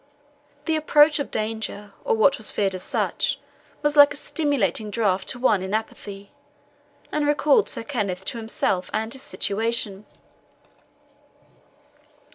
The approach of danger, or what was feared as such, was like a stimulating draught to one in apathy, and recalled Sir Kenneth to himself and his situation.